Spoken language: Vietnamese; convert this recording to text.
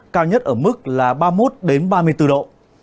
cao nhất ở mức là ba mươi một ba mươi bốn độ